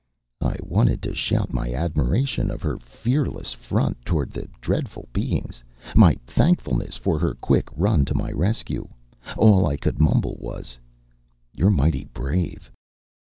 I wanted to shout my admiration of her fearless front toward the dreadful beings, my thankfulness for her quick run to my rescue. All I could mumble was, "You're mighty brave."